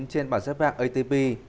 trên bản giáp vạc atp